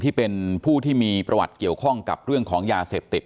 ที่เป็นผู้ที่มีประวัติเกี่ยวข้องกับเรื่องของยาเสพติด